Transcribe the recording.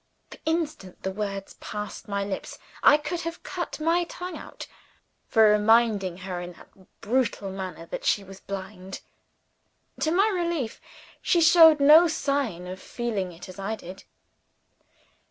The instant the words passed my lips, I could have cut my tongue out for reminding her in that brutal manner that she was blind. To my relief, she showed no sign of feeling it as I did.